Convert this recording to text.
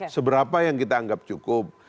seberapa yang kita anggap cukup